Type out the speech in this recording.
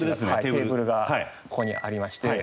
テーブルがここにありまして。